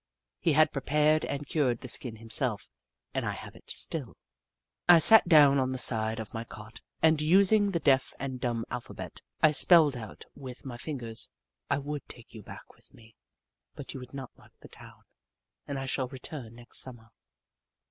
He had prepared and cured the skin himself, and I have it still. I sat down on the side of my cot, and using the deaf and dumb alphabet, I spelled out with 192 The Book of Clever Beasts my fingers :" I would take you back with me, but you would not like the town, and I shall return next Summer."